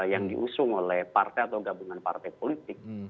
yang diusung oleh partai atau gabungan partai politik